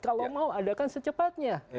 kalau mau adakan secepatnya